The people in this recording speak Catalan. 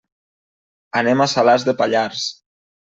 Anem a Salàs de Pallars.